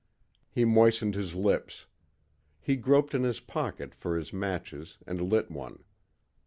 He moistened his lips. He groped in his pocket for his matches and lit one.